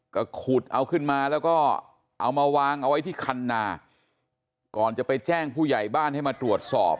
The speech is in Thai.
ก็ขุดเอาขึ้นมาแล้วก็เอามาวางเอาไว้ที่คันนาก่อนจะไปแจ้งผู้ใหญ่บ้านให้มาตรวจสอบ